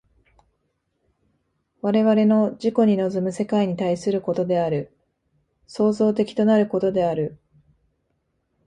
我々の自己に臨む世界に対することである、創造的となることである。